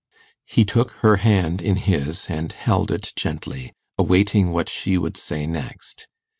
He took her hand in his and held it gently, awaiting what she would say next.